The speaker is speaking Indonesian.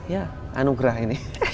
ya anugerah ini